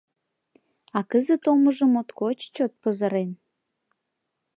А кызыт омыжо моткоч чот пызырен.